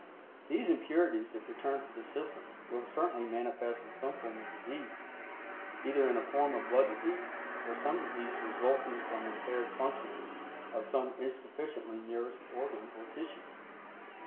These impurities if returned to the system will certainly manifest in some form of disease, either in a form of blood disease or some disease resulting from impaired functioning of some insufficiently nourished organ or tissue.